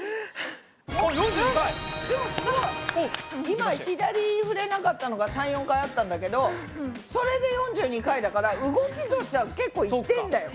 今左ふれなかったのが３４回あったんだけどそれで４２回だから動きとしては結構いってんだよ。